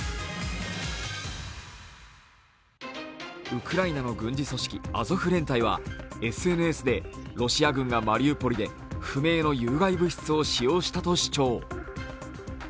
ウクライナの軍事組織、アゾフ連隊はロシア軍がマリウポリで不明の有害物質を使用したと主張。